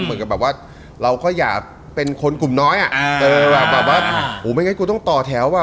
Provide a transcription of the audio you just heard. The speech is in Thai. เหมือนกับแบบว่าเราก็อย่าเป็นคนกลุ่มน้อยอ่ะอ่าเออแบบแบบว่าโหไม่งั้นกูต้องต่อแถวอ่ะ